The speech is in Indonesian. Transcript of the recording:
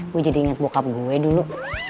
gue jadi inget bokap gue dulu